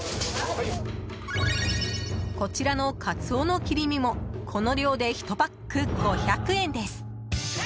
こちらのカツオの切り身もこの量で１パック５００円です。